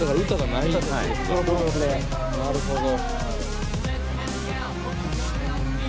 なるほど。